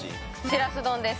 しらす丼です